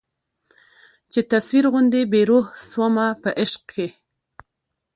چي تصویر غوندي بې روح سومه په عشق کي